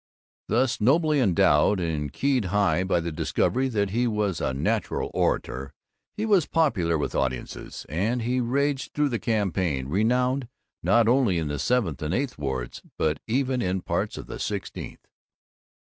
Thus nobly endowed, and keyed high by the discovery that he was a natural orator, he was popular with audiences, and he raged through the campaign, renowned not only in the Seventh and Eighth Wards but even in parts of the Sixteenth.